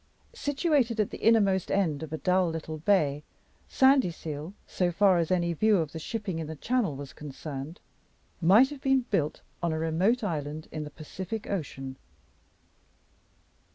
Situated at the innermost end of a dull little bay, Sandyseal so far as any view of the shipping in the Channel was concerned might have been built on a remote island in the Pacific Ocean.